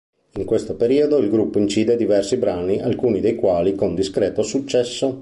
In questo periodo il gruppo incide diversi brani alcuni dei quali con discreto successo.